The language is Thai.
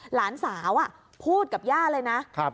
หลานสาวพูดกับย่าเลยนะ